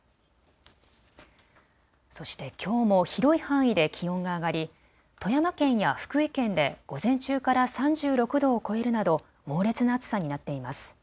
そしてきょうも広い範囲で気温が上がり富山県や福井県で午前中から３６度を超えるなど猛烈な暑さになっています。